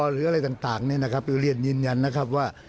หรืออะไรต่างนี่นะครับเราเรียนยืนยันนะครับว่า